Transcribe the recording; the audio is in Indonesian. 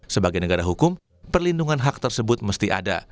sebagai negara hukum perlindungan hak tersebut mesti ada